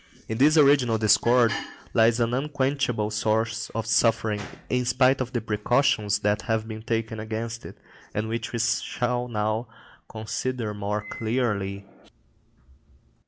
In this original discord lies an unquenchable source of suffering, in spite of the precautions that have been taken against it, and which we shall now consider more closely.